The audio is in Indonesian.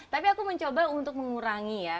tapi aku mencoba untuk mengurangi ya